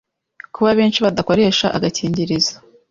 kuba abenshi badakoresha agakingirizo